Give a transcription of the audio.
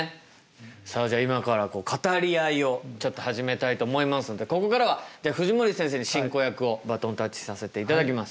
さあじゃあ今から語り合いをちょっと始めたいと思いますのでここからはじゃあ藤森先生に進行役をバトンタッチさせていただきます。